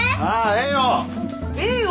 ええよ